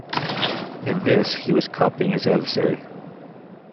In this he was copying his adversary.